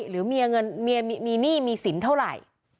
หรือเมียมีหนี้มีสินเท่าไหร่